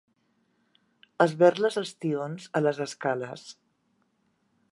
Esberles els tions a les escales.